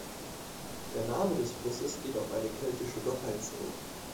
Der Name des Flusses geht auf eine keltische Gottheit zurück.